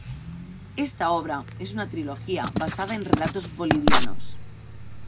Esta obra es una trilogía basada en relatos bolivianos.